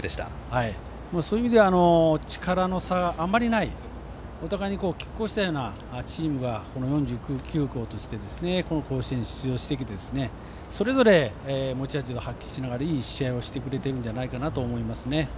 そういう意味では力の差があまりないお互いにきっ抗したようなチームがこの４９校としてこの甲子園に出場してきてそれぞれ、持ち味を発揮しながらいい試合をしてくれてると思います。